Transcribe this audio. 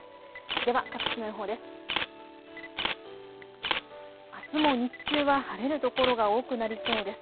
では各地の予報です。